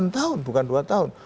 delapan tahun bukan dua tahun